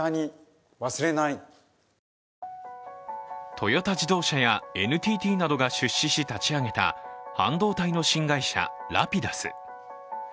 トヨタ自動車やＮＴＴなどが出資し立ち上げた半導体の新会社、Ｒａｐｉｄｕｓ。